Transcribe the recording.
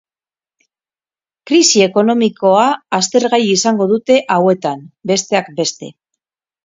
Krisi ekomikoa aztergai izango dute hauetan, besteak beste.